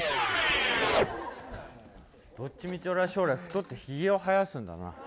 どっち道、俺は将来太ってひげを生やすんだな。